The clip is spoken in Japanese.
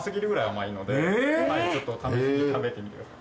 ちょっと試しに食べてみてください。